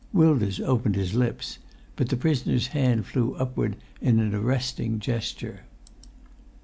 Wilders opened his lips, but the prisoner's hand flew upward in arresting gesture.